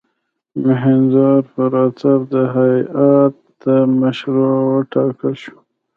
میهندراپراتاپ د هیات مشر وټاکل شو.